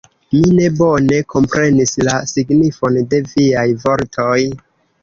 Mi ne bone komprenis la signifon de viaj vortoj.